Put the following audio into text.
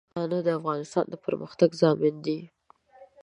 پښتانه د افغانستان د پرمختګ ضامن دي.